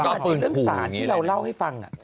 เรื่องศาลที่เราเล่าให้ฟัง